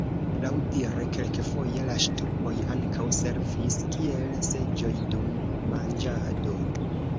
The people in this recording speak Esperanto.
Laŭdire kelkfoje la ŝtupoj ankaŭ servis kiel seĝoj dum manĝado.